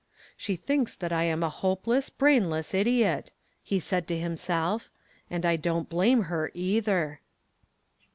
"She thinks that I am a hopeless, brainless idiot," he said to himself. "And I don't blame her, either."